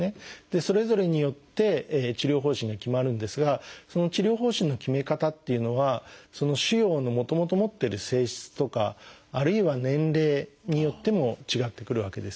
それぞれによって治療方針が決まるんですがその治療方針の決め方っていうのはその腫瘍のもともと持ってる性質とかあるいは年齢によっても違ってくるわけです。